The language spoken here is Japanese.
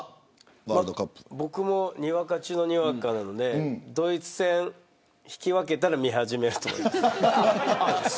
僕も、にわか中のにわかなのでドイツ戦、引き分けたら見始めると思います。